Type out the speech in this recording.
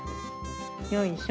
よいしょ。